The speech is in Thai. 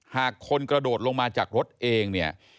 หากคนกระโดดลงมาจากรถเองเนี่ย